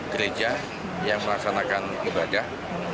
tujuh belas gereja yang melaksanakan ibadah